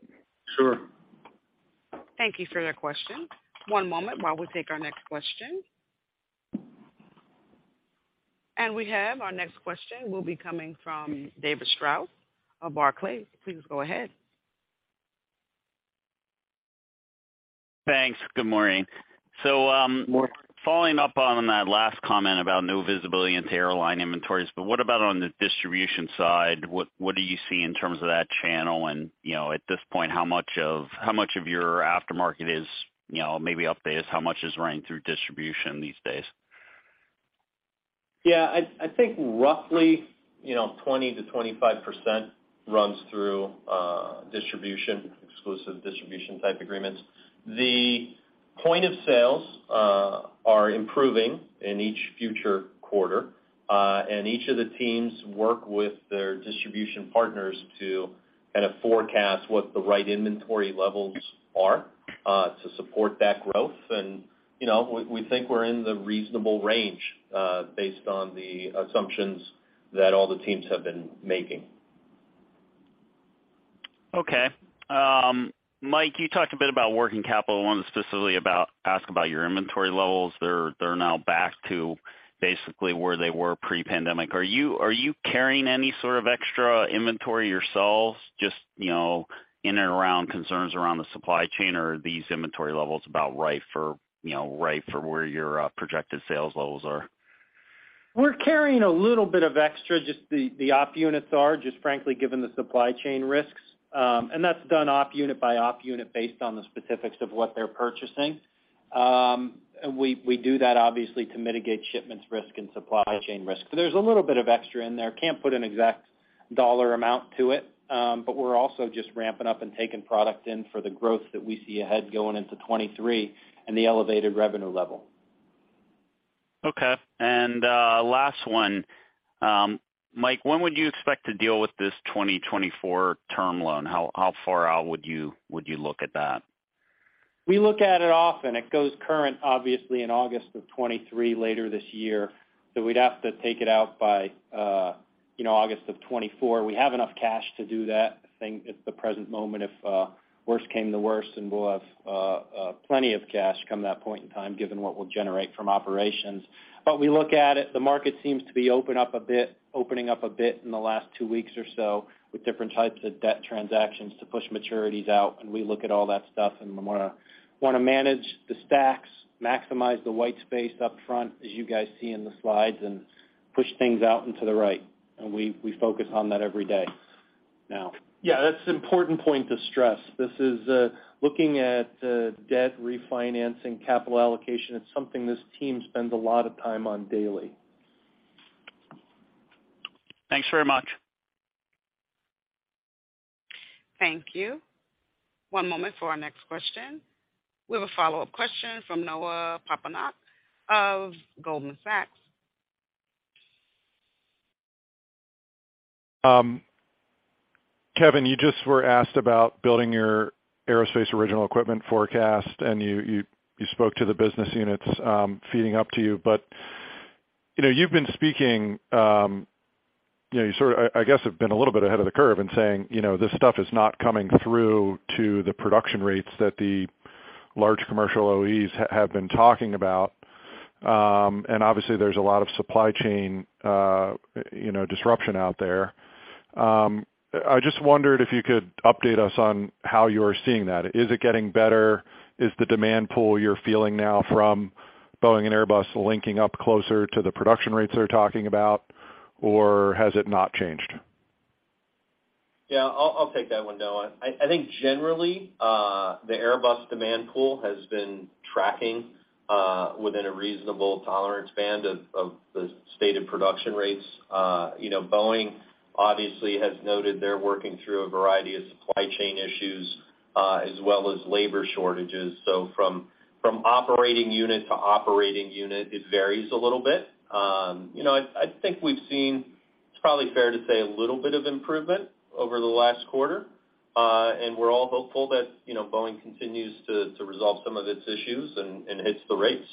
Sure. Thank you for that question. One moment while we take our next question. We have our next question will be coming from David Strauss of Barclays. Please go ahead. Thanks. Good morning. We're following up on that last comment about no visibility into airline inventories, but what about on the distribution side? What do you see in terms of that channel? You know, at this point, how much of your aftermarket is running through distribution these days? Yeah, I think roughly, you know, 20%-25% runs through distribution, exclusive distribution type agreements. The points of sale are improving in each future quarter, and each of the teams work with their distribution partners to kind of forecast what the right inventory levels are to support that growth. You know, we think we're in the reasonable range based on the assumptions that all the teams have been making. Okay. Mike, you talked a bit about working capital. I wanted to specifically ask about your inventory levels. They're now back to basically where they were pre-pandemic. Are you carrying any sort of extra inventory yourselves, just, you know, in and around concerns around the supply chain? Or are these inventory levels about right for, you know, right for where your projected sales levels are? We're carrying a little bit of extra, just the op units are just frankly given the supply chain risks. That's done op unit by op unit based on the specifics of what they're purchasing. We do that obviously to mitigate shipment risk and supply chain risk. There's a little bit of extra in there. Can't put an exact dollar amount to it, but we're also just ramping up and taking product in for the growth that we see ahead going into 2023 and the elevated revenue level. Okay. Last one. Mike, when would you expect to deal with this 2024 term loan? How far out would you look at that? We look at it often. It goes current, obviously, in August 2023, later this year. We'd have to take it out by, you know, August 2024. We have enough cash to do that, I think, at the present moment, if worse came to worst, we'll have plenty of cash come that point in time, given what we'll generate from operations. We look at it, the market seems to be opening up a bit in the last two weeks or so with different types of debt transactions to push maturities out. We look at all that stuff, and we wanna manage the stacks, maximize the white space up front, as you guys see in the slides, and push things out into the right. We focus on that every day now. Yeah, that's an important point to stress. This is looking at debt refinancing, capital allocation. It's something this team spends a lot of time on daily. Thanks very much. Thank you. One moment for our next question. We have a follow-up question from Noah Poponak of Goldman Sachs. Kevin, you just were asked about building your aerospace original equipment forecast, and you spoke to the business units feeding up to you. You know, you've been speaking, you know, you sort of, I guess, have been a little bit ahead of the curve in saying, you know, this stuff is not coming through to the production rates that the large commercial OEs have been talking about. Obviously there's a lot of supply chain, you know, disruption out there. I just wondered if you could update us on how you're seeing that. Is it getting better? Is the demand pool you're feeling now from Boeing and Airbus linking up closer to the production rates they're talking about, or has it not changed? Yeah, I'll take that one, Noah. I think generally, the Airbus demand pool has been tracking within a reasonable tolerance band of the stated production rates. You know, Boeing obviously has noted they're working through a variety of supply chain issues as well as labor shortages. From operating unit to operating unit, it varies a little bit. You know, I think we've seen, it's probably fair to say a little bit of improvement over the last quarter. We're all hopeful that, you know, Boeing continues to resolve some of its issues and hits the rates.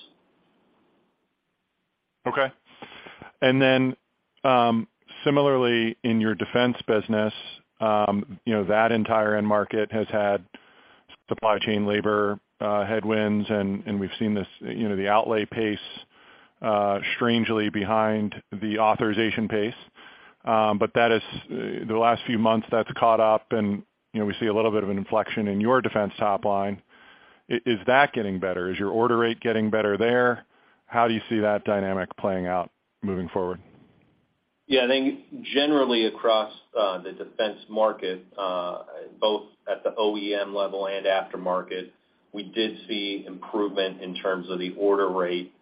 Okay. Similarly in your defense business, you know, that entire end market has had supply chain labor headwinds, and we've seen this, you know, the outlay pace strangely behind the authorization pace. But the last few months, that's caught up and, you know, we see a little bit of an inflection in your defense top line. Is that getting better? Is your order rate getting better there? How do you see that dynamic playing out moving forward? Yeah, I think generally across the defense market, both at the OEM level and aftermarket, we did see improvement in terms of the order rate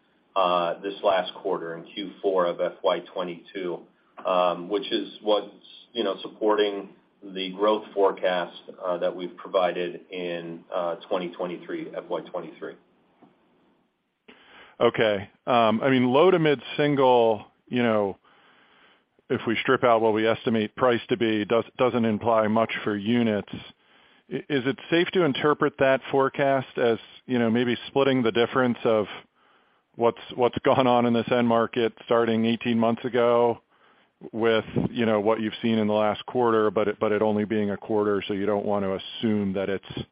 this last quarter in Q4 of FY 2022, which is what's, you know, supporting the growth forecast that we've provided in 2023, FY 2023. Okay. I mean, low to mid-single, you know, if we strip out what we estimate price to be, doesn't imply much for units. Is it safe to interpret that forecast as, you know, maybe splitting the difference of what's gone on in this end market starting 18 months ago with, you know, what you've seen in the last quarter, but it only being a quarter, so you don't want to assume that it's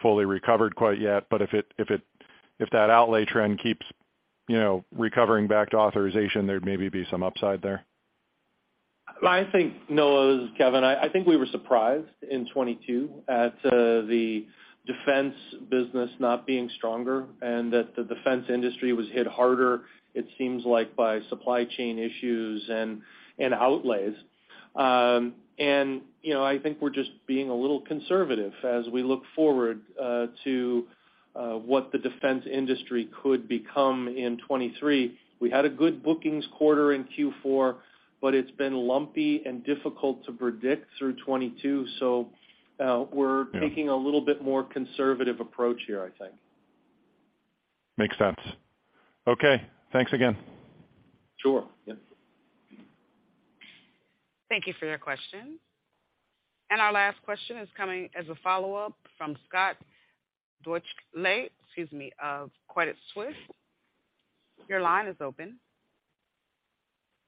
fully recovered quite yet. If that outlay trend keeps, you know, recovering back to authorization, there'd maybe be some upside there. Noah, this is Kevin. I think we were surprised in 2022 at the defense business not being stronger and that the defense industry was hit harder, it seems like, by supply chain issues and outlays. You know, I think we're just being a little conservative as we look forward to what the defense industry could become in 2023. We had a good bookings quarter in Q4, but it's been lumpy and difficult to predict through 2022. Yeah. We're taking a little bit more conservative approach here, I think. Makes sense. Okay, thanks again. Sure. Yeah. Thank you for your question. Our last question is coming as a follow-up from Scott Deuschle, excuse me, of Credit Suisse. Your line is open.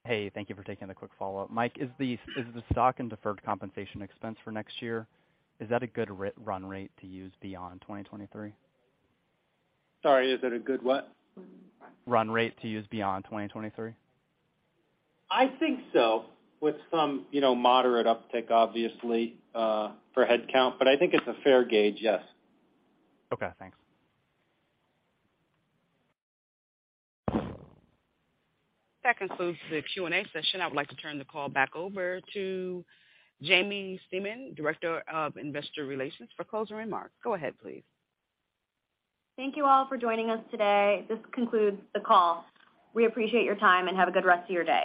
Hey, thank you for taking the quick follow-up. Mike, is the stock and deferred compensation expense for next year a good run rate to use beyond 2023? Sorry, is it a good what? Run rate to use beyond 2023. I think so, with some, you know, moderate uptick, obviously, for headcount, but I think it's a fair gauge, yes. Okay, thanks. That concludes the Q&A session. I would like to turn the call back over to Jaimie Stemen, Director of Investor Relations, for closing remarks. Go ahead, please. Thank you all for joining us today. This concludes the call. We appreciate your time, and have a good rest of your day.